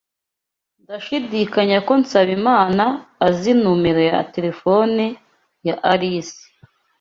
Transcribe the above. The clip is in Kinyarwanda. Ndashidikanya ko Nsabimana azi numero ya terefone ya Alice.